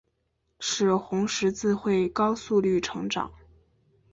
使红十字会高速率成长。